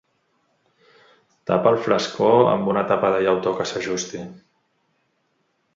Tapa el flascó amb una tapa de llautó que s'ajusti.